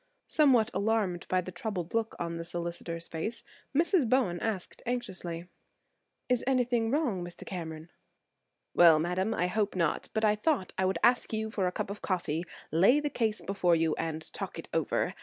Somewhat alarmed by the troubled look on the solicitor's face, Mrs. Bowen asked anxiously– "Is anything wrong, Mr. Cameron?" "Well, madam, I hope not; but I thought I would ask you for a cup of coffee, lay the case before you and talk it over.